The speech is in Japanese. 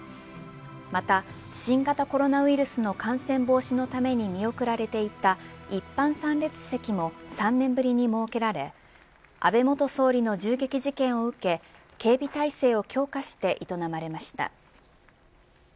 また、新型コロナウイルスの感染防止のために見送られていた一般参列席も３年ぶりに設けられ安倍元総理の銃撃事件を受け警備体制を強化して営まれました。